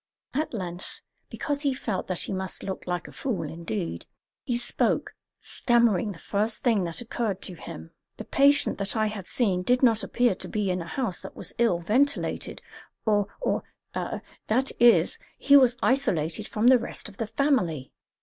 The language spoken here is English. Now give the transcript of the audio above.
At length because he felt that he must look like a fool indeed he spoke, stammering the first thing that occurred to him: "The patient that I have seen did not appear to be in a house that was ill ventilated or or that is, he was isolated from the rest of the family."